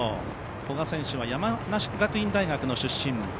古賀選手は山梨学院大学の出身。